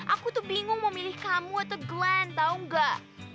aku tuh bingung mau milih kamu atau glenn tahu enggak